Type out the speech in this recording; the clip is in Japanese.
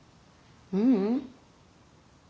ううん。